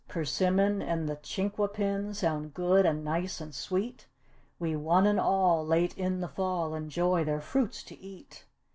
Persimmon and the chinquapin sound good and nice and sweet; We one and all late in the fall enjoy their fruits to eat.